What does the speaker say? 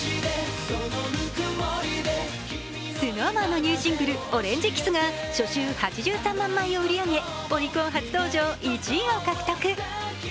ＳｎｏｗＭａｎのニューシングル「オレンジｋｉｓｓ」が初週８３万枚を売り上げオリコン初登場１位を獲得。